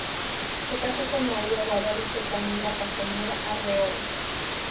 Se casó con María Guadalupe Camila Castañeda Arreola.